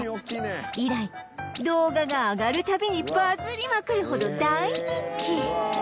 以来動画が上がる度にバズりまくるほど大人気！